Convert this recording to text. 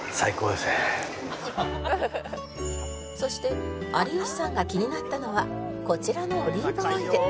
そして有吉さんが気になったのはこちらのオリーブオイル